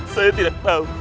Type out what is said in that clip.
saya tidak tahu